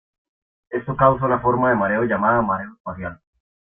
Esto causa una forma de mareo llamada mareo espacial.